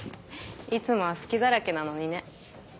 いつもは隙だらけなのにね。